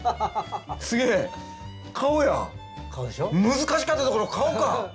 難しかったところ顔か！